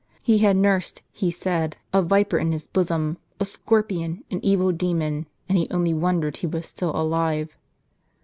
He had nui sed, he said, a vij)er in his bosom, a scorpion, an evil demon; and he only won dered he was still alive.